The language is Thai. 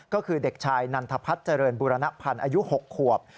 ก็คือเด็กชายนันทพัฒน์เจริญบูรณพันธ์อายุ๖ขวบ